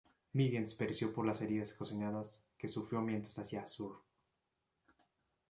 Miguens pereció por las heridas ocasionadas que sufrió mientras hacía surf.